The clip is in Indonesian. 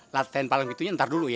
latihan palang gitu ntar dulu ya